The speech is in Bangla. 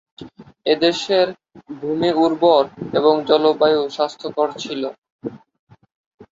এদেশের ভূমি উর্বর এবং জলবায়ু স্বাস্থ্যকর ছিল।